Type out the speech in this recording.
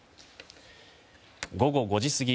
午後５時過ぎ